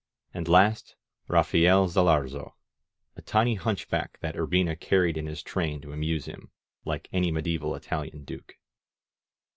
And last Raphael Zalarzo, a tiny hunchback that Urbina carried in his train to amuse him, like any medieval Italian duke.